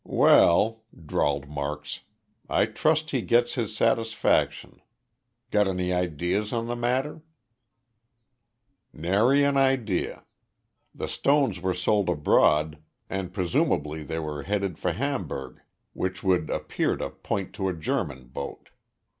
"Well," drawled Marks, "I trust he gets his satisfaction. Got any ideas on the matter?" "Nary an idea. The stones were sold abroad and presumably they were headed for Hamburg which would appear to point to a German boat.